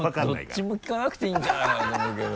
どっちも聞かなくていいんじゃないかと思うけど。